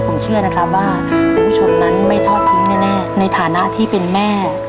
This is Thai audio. ผมเชื่อว่าผู้ชมนี้ไม่ทอดพิ้งแน่ในฐานะที่เป็นแม่